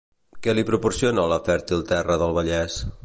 Què li proporciona la fèrtil terra del Vallès?